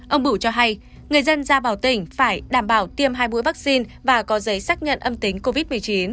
ông bửu cho hay người dân ra vào tỉnh phải đảm bảo tiêm hai mũi vaccine và có giấy xác nhận âm tính covid một mươi chín